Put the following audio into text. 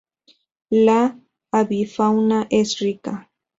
La avifauna es rica.